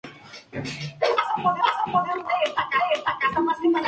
Es un centro industrial, comercial y de servicios.